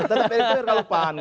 tetap erick thohir kalau pan